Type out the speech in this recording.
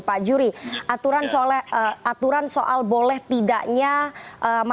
pak juri aturan soal boleh tidaknya masyarakat